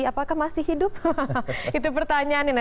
apakah masih hidup itu pertanyaannya